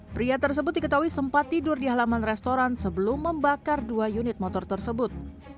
pria tersebut diketahui sempat tidur di halaman restoran sebelum membakar dua unit motor tersebut